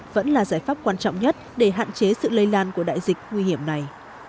vẫn là giải pháp quan trọng nhất để hạn chế sự lây lan của đại dịch nguy hiểm này